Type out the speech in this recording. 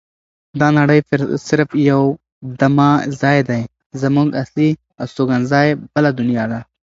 دا نړۍ صرف یو دمه ځای دی زمونږ اصلي استوګنځای بله دنیا ده.